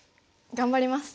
頑張ります！